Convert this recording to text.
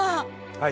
はい。